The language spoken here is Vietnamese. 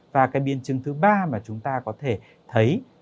và cái biến chứng thứ ba mà chúng ta có thể thấy